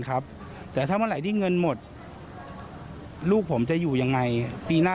ครับแต่ถ้าเมื่อไหร่ที่เงินหมดลูกผมจะอยู่ยังไงปีหน้า